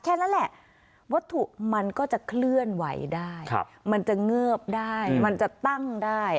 แค่นั้นแหละวัตถุมันก็จะเคลื่อนไหวได้มันจะเงิบได้มันจะตั้งได้